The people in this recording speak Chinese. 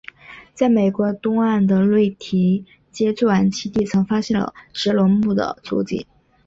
在美国东岸的瑞提阶最晚期地层发现了植龙目的足迹。